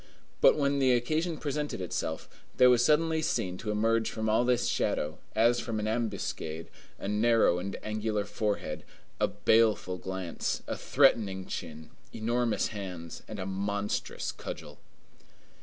But when the occasion presented itself, there was suddenly seen to emerge from all this shadow, as from an ambuscade, a narrow and angular forehead, a baleful glance, a threatening chin, enormous hands, and a monstrous cudgel.